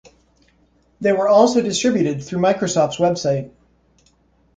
They were also distributed through Microsoft's website.